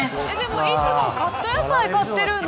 いつもカット野菜買ってるの。